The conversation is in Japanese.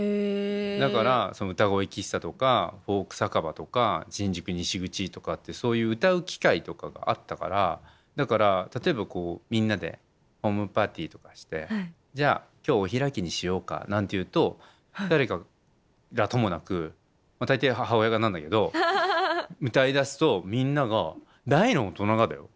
だから歌声喫茶とかフォーク酒場とか新宿西口とかってそういう歌う機会とかがあったからだから例えばみんなでホームパーティーとかして「じゃあ今日お開きにしようか」なんて言うと誰からともなく大抵母親なんだけど歌いだすとみんなが大の大人がだよ。